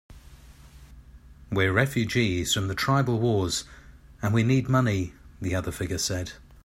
"We're refugees from the tribal wars, and we need money," the other figure said.